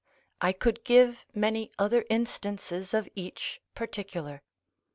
I could give many other instances of each particular.